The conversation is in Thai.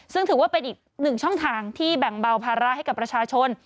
ซึ่งถือว่าเป็นอีกหนึ่งช่องทางที่แบ่งเบาภาระให้กับประชาชน